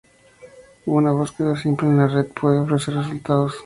Una búsqueda simple en la red puede ofrecer resultados.